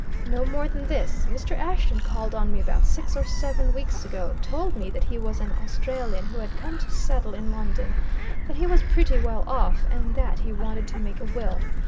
No more than this Mr. Ashton called on me about six or seven weeks ago, told me that he was an Australian who had come to settle in London, that he was pretty well off, and that he wanted to make a will.